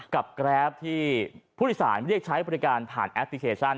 แกรปที่ผู้โดยสารเรียกใช้บริการผ่านแอปพลิเคชัน